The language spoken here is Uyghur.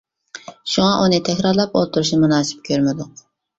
شۇڭا ئۇنى تەكرارلاپ ئولتۇرۇشنى مۇناسىپ كۆرمىدۇق.